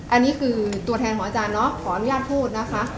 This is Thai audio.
อันนี้คือตัวแทนของอาจารย์เนาะขออนุญาตพูดนะคะ